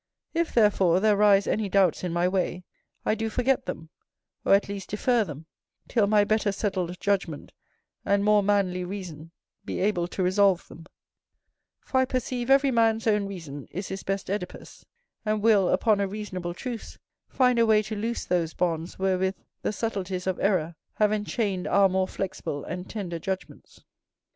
If, therefore, there rise any doubts in my way, I do forget them, or at least defer them, till my better settled judgment and more manly reason be able to resolve them; for I perceive every man's own reason is his best Œdipus, and will, upon a reasonable truce, find a way to loose those bonds wherewith the subtleties of error have enchained our more flexible and tender judgments.